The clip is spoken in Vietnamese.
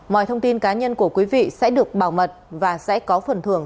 mọi thông tin cá nhân của quý vị sẽ được bảo mật và sẽ có phần thưởng